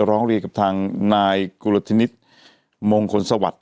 ร้องเรียนกับทางนายกุลธินิษฐ์มงคลสวัสดิ